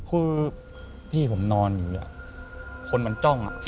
คือพี่ผมนอนอยู่คนมันจ้อง